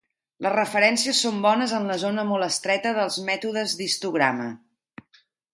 Les referències són bones en la zona molt estreta dels mètodes d'histograma.